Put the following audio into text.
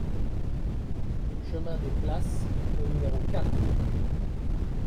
Chemin des Places au numéro quatre